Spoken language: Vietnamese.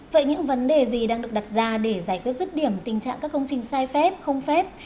vậy những vấn đề gì đang được đặt ra để giải quyết rứt điểm tình trạng các công trình sai phép không phép